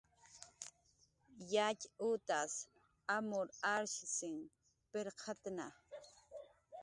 Yatx utas amur arshisn pirqatna